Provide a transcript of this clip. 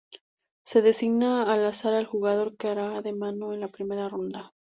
Se designa al azar al jugador que hará de mano en la primera ronda.